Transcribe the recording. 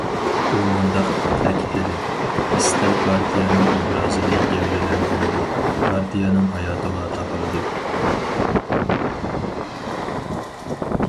ئۇ مۇنداق تەكىتلىدى، ئىستىل پارتىيەنىڭ ئوبرازىنى گەۋدىلەندۈرىدۇ، پارتىيەنىڭ ھاياتىغا تاقىلىدۇ.